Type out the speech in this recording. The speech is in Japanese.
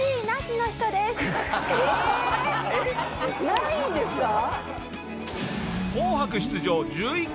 ないんですか？